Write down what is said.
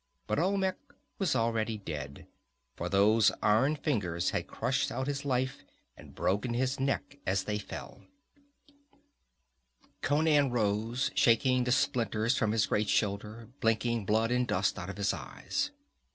But Olmec was already dead, for those iron fingers had crushed out his life and broken his neck as they fell. Conan rose, shaking the splinters from his great shoulder, blinking blood and dust out of his eyes.